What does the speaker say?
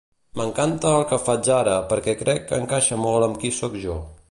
M'encanta el que faig ara perquè crec que encaixa molt amb qui soc jo.